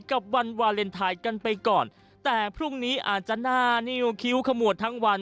กับวันวาเลนไทยกันไปก่อนแต่พรุ่งนี้อาจจะหน้านิ้วคิ้วขมวดทั้งวัน